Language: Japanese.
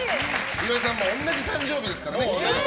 岩井さんも同じ誕生日ですからね。